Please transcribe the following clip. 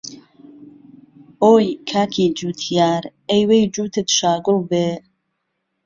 ئۆی کاکی جووتیار، ئهی وهی جووتت شاگوڵ بێ